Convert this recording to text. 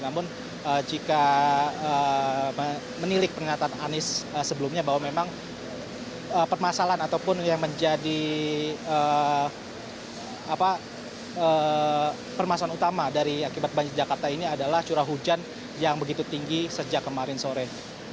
namun jika menilik pernyataan anies sebelumnya bahwa memang permasalahan ataupun yang menjadi permasalahan utama dari akibat banjir jakarta ini adalah curah hujan yang begitu tinggi sejak kemarin sore